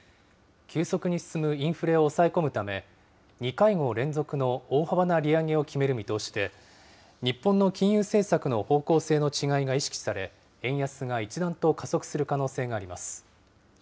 急速に進むインフレを抑え込むため、２会合連続の大幅な利上げを決める見通しで、日本の金融政策の方向性の違いが意識され、円安が一段と加速する可能性があります。